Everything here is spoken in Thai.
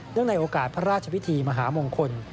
ในโอกาสพระราชวิธีมหามงคล